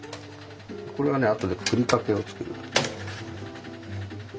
これはね後でふりかけを作る。